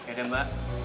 gak ada mbak